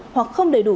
hoặc không đầy đủ